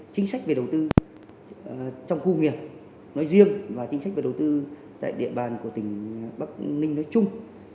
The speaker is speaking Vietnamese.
chính sách về đầu tư trong khu nghiệp nói riêng và chính sách về đầu tư tại địa bàn của tỉnh bắc ninh nói chung